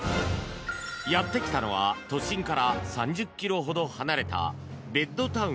やってきたのは都心から３０ｋｍほど離れたベッドタウン